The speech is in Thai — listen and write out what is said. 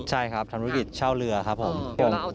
ใช่ครับทำธุรกิจเช่าเรือครับผม